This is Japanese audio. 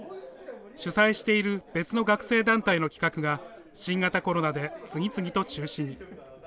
主宰している別の学生団体の企画が新型コロナで次々と中止に。